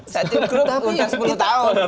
satu grup untuk sepuluh tahun